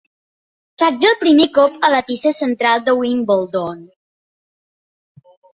Faig el primer cop a la pista central de Wimbledon.